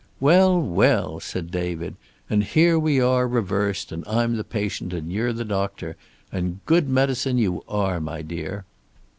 "Well, well!" said David. "And here we are reversed and I'm the patient and you're the doctor! And good medicine you are, my dear."